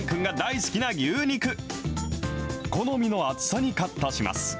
好みの厚さにカットします。